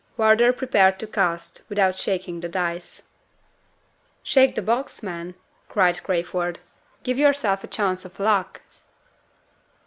Wardour prepared to cast, without shaking the dice. "Shake the box, man!" cried Crayford. "Give yourself a chance of luck!"